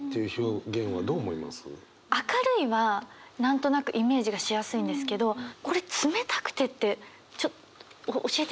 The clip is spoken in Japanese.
「明るい」は何となくイメージがしやすいんですけどこれ「冷たくて」ってちょ教えていただけますか？